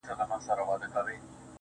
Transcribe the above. صدقه دي سم تر تكــو تــورو سترگو,